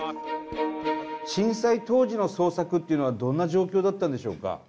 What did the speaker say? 震災当時の捜索っていうのはどんな状況だったんでしょうか？